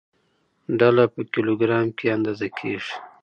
ډله په کیلوګرام کې اندازه کېږي.